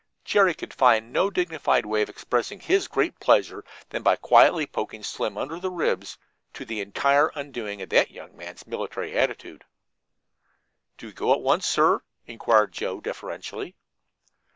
Jerry could find no other dignified way of expressing his great pleasure than by quietly poking Slim under the ribs, to the entire undoing of that young man's military attitude. "Do we go at once, sir?" inquired Joe deferentially.